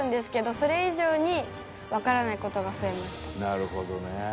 なるほどね。